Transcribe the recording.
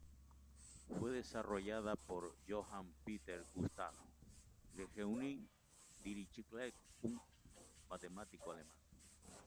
Fue desarrollada por Johann Peter Gustav Lejeune Dirichlet, un matemático alemán.